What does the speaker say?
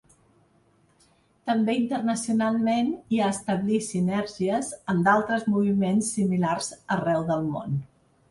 També internacionalment, i a establir sinergies amb d'altres moviments similars arreu del món.